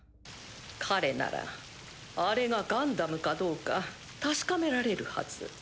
彼ならあれがガンダムかどうか確かめられるはず。